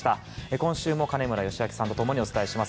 今週も金村義明さんと共にお伝えします。